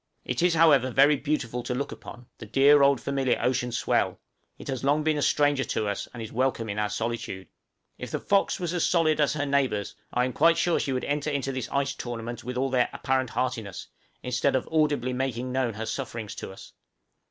It is however very beautiful to look upon, the dear old familiar ocean swell! it has long been a stranger to us, and is welcome in our solitude. If the 'Fox' was as solid as her neighbors, I am quite sure she would enter into this ice tournament with all their apparent heartiness, instead of audibly making known her sufferings to us.